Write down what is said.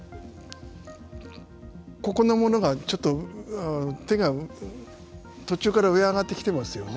ここのものがちょっと手が途中から上へ上がってきてますよね。